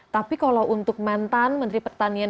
tapi kalau untuk mantan menteri pertanian